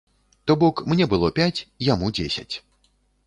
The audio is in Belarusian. То бок мне было пяць, яму дзесяць.